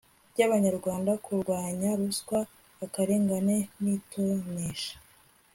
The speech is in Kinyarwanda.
by'abanyarwanda kurwanya ruswa, akarengane n'itonesha